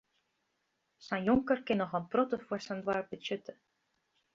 Sa'n jonker kin noch in protte foar sa'n doarp betsjutte.